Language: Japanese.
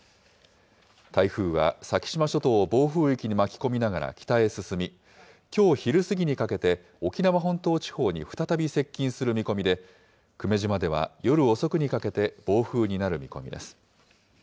台風は先島諸島を暴風域に巻き込みながら、北へ進み、きょう昼過ぎにかけて沖縄本島地方に再び接近する見込みで、久米島では夜遅くにかけて暴風になる見込みです。